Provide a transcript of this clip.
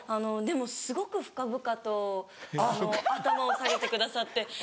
でもすごく深々と頭を下げてくださって。